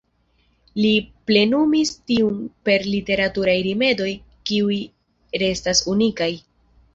Li plenumis tiun per literaturaj rimedoj kiuj restas unikaj.